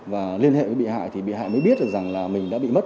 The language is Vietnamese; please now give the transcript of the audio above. và liên hệ với bị hại thì bị hại mới biết được rằng là mình đã bị mất